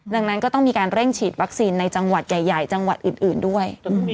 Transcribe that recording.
ดังนั้นก็ต้องมีการเร่งฉีดวัคซีนในจังหวัดใหญ่จังหวัดอื่นด้วย